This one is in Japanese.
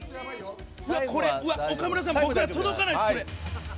うわっ、これ岡村さん僕ら届かないです。